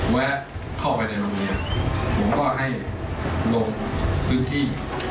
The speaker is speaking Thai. แวะเข้าไปในโรงเรียนผมก็ให้ลงพื้นที่